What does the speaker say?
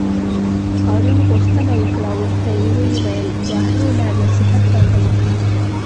هارون غوښتنه وکړه او ورته ویې ویل: بهلوله نصیحت راته وکړه.